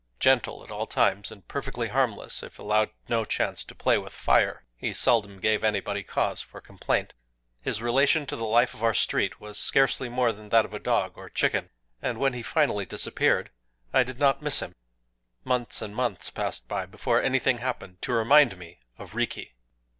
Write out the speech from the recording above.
Gentle at all times, and perfectly harmless if allowed no chance to play with fire, he seldom gave anybody cause for complaint. His relation to the life of our street was scarcely more than that of a dog or a chicken; and when he finally disappeared, I did not miss him. Months and months passed by before anything happened to remind me of Riki.